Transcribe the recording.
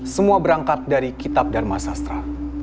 semua berangkat dari kitab dharma sastra